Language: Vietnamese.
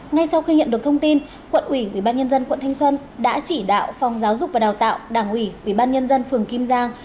ngay sau khi nhận được thông tin quận ủy ủy ban nhân dân quận thanh xuân đã chỉ đạo phòng giáo dục và đào tạo đảng ủy ủy ban nhân dân phường kim giang